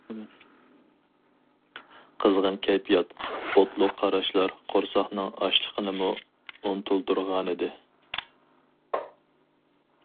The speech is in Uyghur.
قىزغىن كەيپىيات، ئوتلۇق قاراشلار قورساقنىڭ ئاچلىقىنىمۇ ئۇنتۇلدۇرغانىدى.